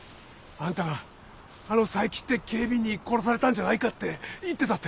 あんたがあの佐伯って警備員に殺されたんじゃないかって言ってたって。